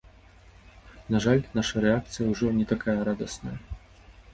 На жаль, нашая рэакцыя ўжо не такая радасная.